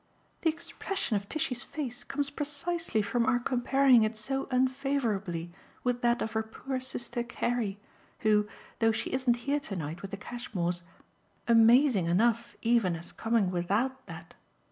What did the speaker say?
"The expression of Tishy's face comes precisely from our comparing it so unfavourably with that of her poor sister Carrie, who, though she isn't here to night with the Cashmores amazing enough even as coming WITHOUT that!